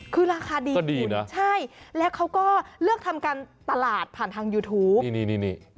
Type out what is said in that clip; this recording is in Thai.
คือราคาดีก็ดีนะใช่แล้วเขาก็เลือกทำการตลาดผ่านทางยูทูป